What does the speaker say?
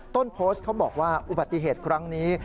ต้นโพสต์เขาบอกว่าอุบัติเหตุครั้งนี้